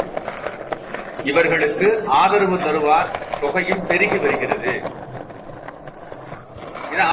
இவர்களுக்கு ஆதரவு தருவார் தொகையும் பெருகி வருகிறது.